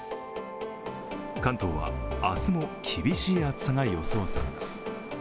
関東は明日も厳しい暑さが予想されます。